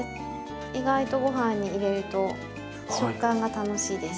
意外とご飯に入れると食感が楽しいです。